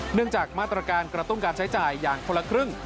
เนื่องจากมาตรการกระตุ้นการใช้จ่ายอย่างคนละครึ่ง